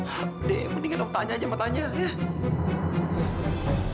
hadeh mendingan om tanya aja mah tanya ya